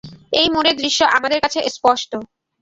এই মোড়ের দৃশ্য আমাদের কাছে অস্পষ্ট।